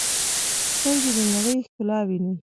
سترګې د نړۍ ښکلا ویني.